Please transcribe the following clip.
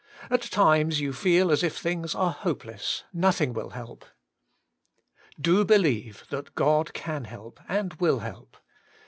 At times you feel as if things are hopeless ; nothing will help. ' Do believe that God can help and will help.